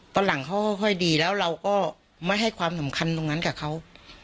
ตอนหลังเขาค่อยดีแล้วเราก็ไม่ให้ความสำคัญตรงนั้นกับเขา